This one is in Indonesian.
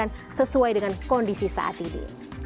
yang sesuai dengan kondisi saat ini